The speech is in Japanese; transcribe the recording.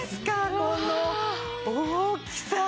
この大きさ！